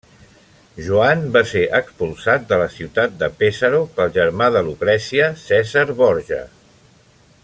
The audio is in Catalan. Joan va ser expulsat de la ciutat de Pesaro pel germà de Lucrècia, Cèsar Borja.